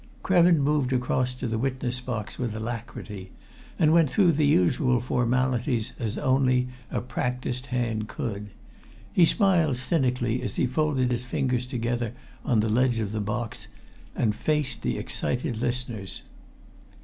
Krevin moved across to the witness box with alacrity and went through the usual formalities as only a practised hand could. He smiled cynically as he folded his fingers together on the ledge of the box and faced the excited listeners.